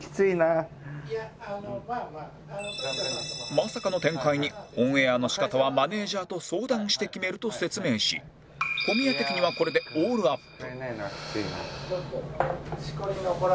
まさかの展開にオンエアの仕方はマネージャーと相談して決めると説明し小宮的にはこれでオールアップ